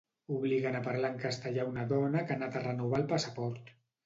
Obliguen a parlar en castellà una dona que ha anat a renovar el passaport.